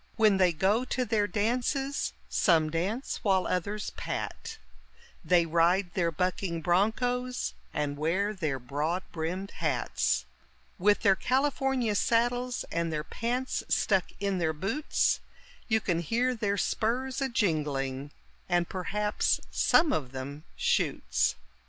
When they go to their dances, some dance while others pat They ride their bucking bronchos, and wear their broad brimmed hats; With their California saddles, and their pants stuck in their boots, You can hear their spurs a jingling, and perhaps some of them shoots.